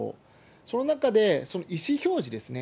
その中で意思表示ですね。